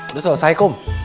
udah selesai kom